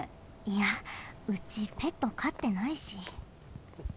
いやうちペットかってないし。